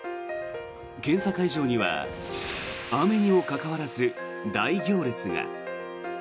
検査会場には雨にもかかわらず大行列が。